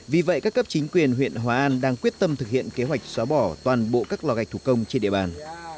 vì vậy các cấp chính quyền huyện hòa an đang quyết tâm thực hiện kế hoạch xóa bỏ toàn bộ các lò gạch thủ công trên địa bàn